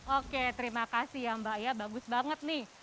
oke terima kasih ya mbak ya bagus banget nih